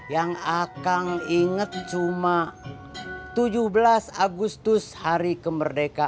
yang akan ingat cuma tujuh belas agustus hari kemerdekaan